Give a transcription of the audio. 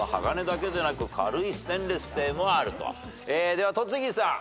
では戸次さん。